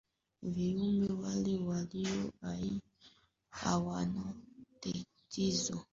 Viumbe wale walio hai hawana tatizo.